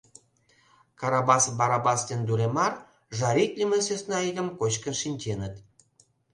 Карабас Барабас ден Дуремар жаритлыме сӧсна игым кочкын шинченыт.